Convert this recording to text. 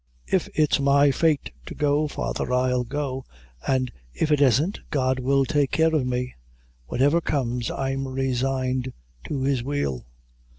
"If it's my fate to go, father, I'll go, an if it isn't God will take care of me; whatever comes, I'm resigned to His will."